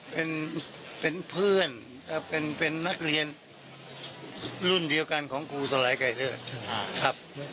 เป็นเพื่อนครับเป็นนักเรียนรุ่นเดียวกันของครูสลายไก่เถอะครับ